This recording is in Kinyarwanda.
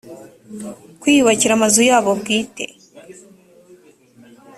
kwiyubakira amazu yabo bwite